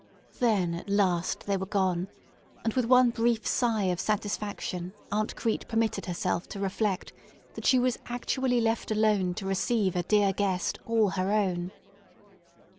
Then at last they were gone, and with one brief sigh of satisfaction Aunt Crete permitted herself to reflect that she was actually left alone to receive a dear guest all her own.